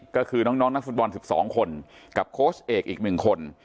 ก็คือน้องนักฟุตบอล๑๒คนกับโค้ชเอกอีก๑คน